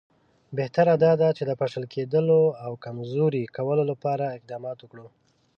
بهتره دا ده چې د پاشل کېدلو او کمزوري کولو لپاره اقدامات وکړو.